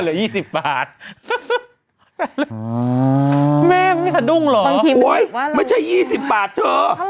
แล้ว๒๐บาทไม่มีชัดดุ้งหรออุ้ยมึงไม่ใช่๒๐บาทเธอ